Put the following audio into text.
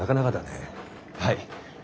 はい。